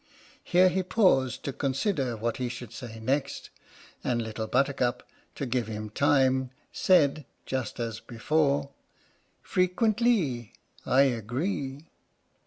Here he paused to consider what he should say next, and Little Buttercup (to give him time) said, just as before: Frequentlee, I agree.